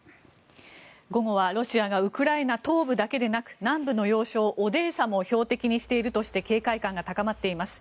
午後はロシアがウクライナ東部だけでなく南部の要衝オデーサも標的にしているとして警戒感が高まっています。